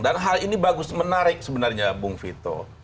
dan hal ini bagus menarik sebenarnya bung vito